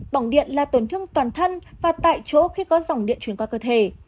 bỏng điện là tổn thương toàn thân và tại chỗ khi có dòng điện truyền qua cơ thể